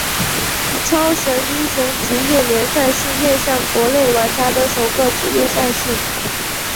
超神英雄职业联赛是面向国内玩家的首个职业赛事。